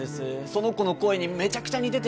その子の声にめちゃくちゃ似てて。